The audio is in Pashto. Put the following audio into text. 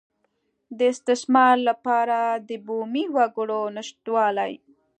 د استثمار لپاره د بومي وګړو نشتوالی.